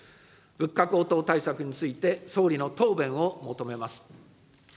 物価高騰対策について、総理の答弁を求めます。